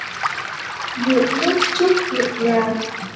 Việc nước trước việc nhà.